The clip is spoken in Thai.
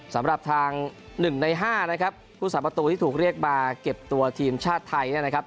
สำหรับทาง๑ใน๕นะครับผู้สาประตูที่ถูกเรียกมาเก็บตัวทีมชาติไทยเนี่ยนะครับ